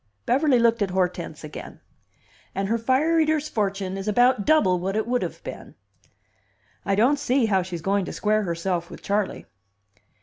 Beverly looked at Hortense again. "And her fire eater's fortune is about double what it would have been. I don't see how she's going to square herself with Charley."